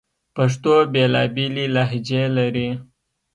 پښتو بیلابیلي لهجې لري